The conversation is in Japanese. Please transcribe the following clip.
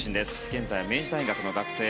現在、明治大学の学生。